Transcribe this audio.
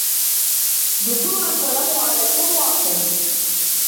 دحورا ولهم عذاب واصب